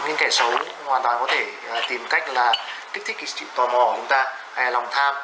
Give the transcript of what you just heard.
những kẻ xấu hoàn toàn có thể tìm cách là kích thích tò mò của chúng ta hay là lòng tham